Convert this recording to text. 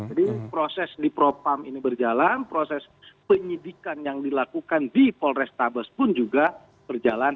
jadi proses di propam ini berjalan proses penyidikan yang dilakukan di polrestabes pun juga berjalan